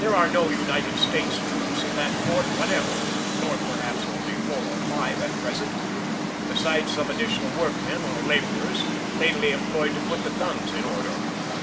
There are no United States troops in that fort whatever, or perhaps only four or five, at present; besides some additional workmen or laborers, lately employed to put the guns in order.